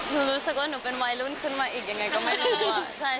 รู้สึกว่าหนูเป็นวัยรุ่นขึ้นมาอีกยังไงก็ไม่น่ากลัว